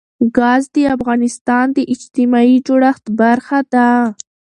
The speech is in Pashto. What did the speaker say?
ګاز د افغانستان د اجتماعي جوړښت برخه ده.